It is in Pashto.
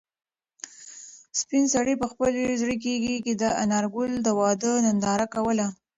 سپین سرې په خپلې زړې کيږدۍ کې د انارګل د واده ننداره کوله.